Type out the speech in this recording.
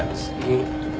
うん。